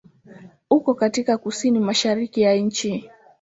Uko katika kusini-mashariki ya nchi.